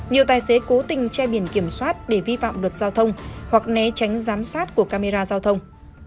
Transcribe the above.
nhiều tài xế cố tình che biển kiểm soát để vi phạm luật giao thông hoặc né tránh giám sát của camera giao thông